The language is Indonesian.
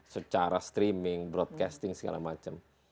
secara streaming broadcasting segala macam